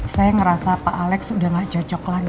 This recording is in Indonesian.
saya ngerasa pak alex udah gak cocok lagi